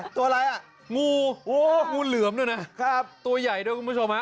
ตัวอะไรอ่ะงูเหลือมด้วยนะครับตัวใหญ่ด้วยคุณผู้ชมฮะ